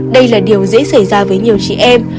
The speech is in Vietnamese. đây là điều dễ xảy ra với nhiều chị em